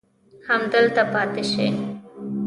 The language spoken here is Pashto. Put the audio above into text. همدلته پاتې سئ.